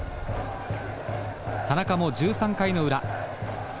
田中も１３回の裏。